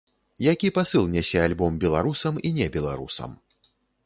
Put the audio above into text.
Які пасыл нясе альбом беларусам і небеларусам?